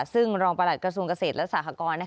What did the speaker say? ซึ่งรองประหลัดกระทรวงเกษตรและสหกร